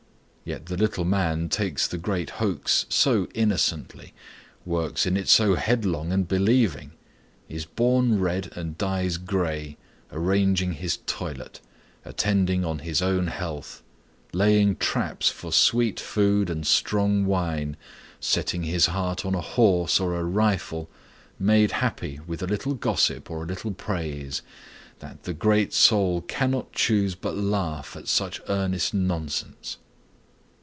Yet the little man takes the great hoax so innocently, works in it so headlong and believing, is born red, and dies gray, arranging his toilet, attending on his own health, laying traps for sweet food and strong wine, setting his heart on a horse or a rifle, made happy with a little gossip or a little praise, that the great soul cannot choose but laugh at such earnest nonsense.